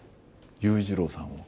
裕次郎さんを。